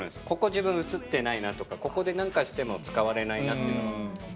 ここ、自分映ってないなとか、ここでなんかしても使われないなっていう。